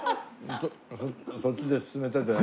そっちで進めてて。